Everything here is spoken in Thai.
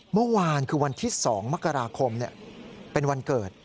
เมื่อวานคือวันที่๒มกราคมเป็นวันเกิด